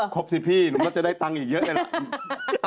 ครบสิพี่หนูก็จะได้ตังค์อีกเยอะเลยล่ะ